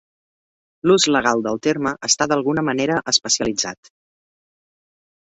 L'ús legal del terme està d'alguna manera especialitzat.